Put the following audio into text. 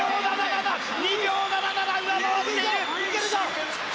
２秒７７上回っている！